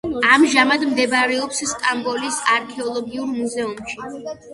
ამჟამად მდებარეობს სტამბოლის არქეოლოგიურ მუზეუმში.